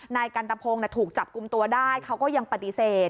นายกันตะพงศ์ถูกจับกลุ่มตัวได้เขาก็ยังปฏิเสธ